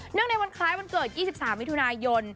เนื่องในวันคล้ายวันเกิด๒๓วิธุนายน